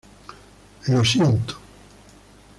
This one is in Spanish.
Lo siento".